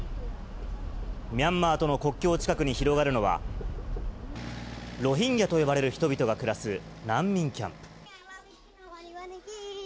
ミャンマーとの国境近くに広がるのは、ロヒンギャと呼ばれる人々が暮らす難民キャンプ。